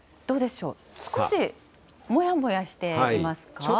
どうでしょう、少しもやもやしていますか？